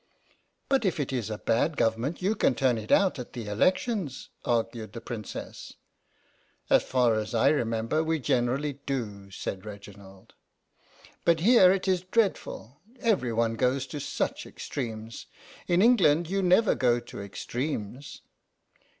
" But if it is a bad Government you can turn it out at the elections," argued the Princess. " As far as I remember, we generally do," said Reginald. " But here it is dreadful, every one goes to such extremes. In England you never go to extremes."